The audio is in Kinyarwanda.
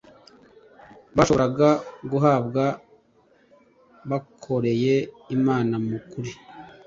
bashoboraga guhabwa bakoreye Imana mu kuri.